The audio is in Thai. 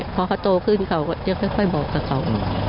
พอเขาโตขึ้นเขาก็จะค่อยบอกกับเขา